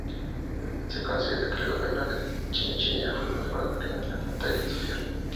Se considera que el gobierno de Chinchilla fue conservador en materia social.